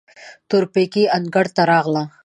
تورپيکۍ انګړ ته راغله.